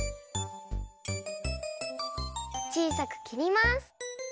ちいさくきります。